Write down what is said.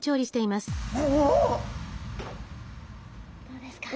どうですか？